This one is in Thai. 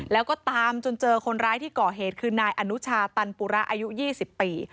แล้วก็ตามจนเจอคนร้ายที่ก่อเหตุคือนายอนุชาตันปุระอายุ๒๐ปี